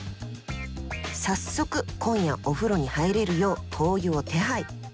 早速今夜お風呂に入れるよう灯油を手配。